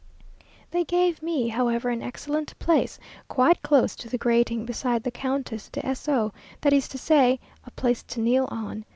They gave me, however, an excellent place, quite close to the grating, beside the Countess de S o, that is to say, a place to kneel on.